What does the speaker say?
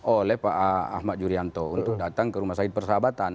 oleh pak ahmad yuryanto untuk datang ke rumah sakit persahabatan